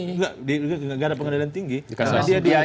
nggak nggak ada pengadilan tinggi